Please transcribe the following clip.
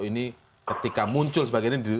ini ketika muncul sebagainya